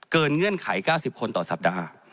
เงื่อนไข๙๐คนต่อสัปดาห์